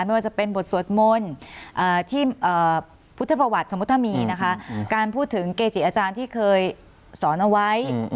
ไม่ว่าจะเป็นบทสวดมนต์ที่พุทธประวัติสมมุติถ้ามีนะคะการพูดถึงเกจิอาจารย์ที่เคยสอนเอาไว้